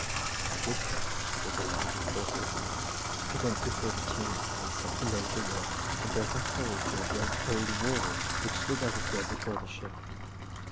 I did come, with the lad and four horses. I went before the team, and set the men to work to break a hole through a great old wall, which stood as it were before the ship.